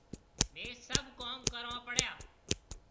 ميه سڀ ڪوم ڪرون پيڙيا۔